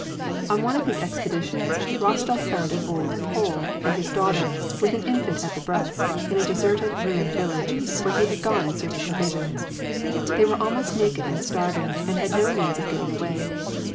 On one of his expeditions Rostof found an old Pole and his daughter, with an infant at the breast, in a deserted, ruined village, where he had gone in search of provisions. They were almost naked and starving, and had no means of getting away.